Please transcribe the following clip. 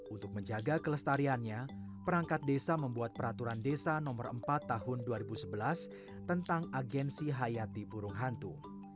untuk menjaga kelestariannya perangkat desa membuat peraturan desa no empat tahun dua ribu sebelas tentang agensi hayati burung hantu